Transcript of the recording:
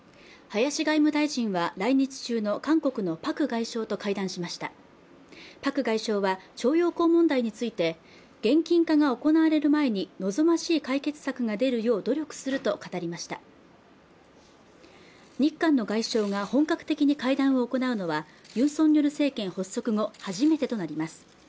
林外務大臣は来日中の韓国のパク外相と会談しましたパク外相は徴用工問題について現金化が行われる前に望ましい解決策が出るよう努力すると語りました日韓の外相が本格的に会談を行うのはユン・ソンニョル政権発足後初めてとなります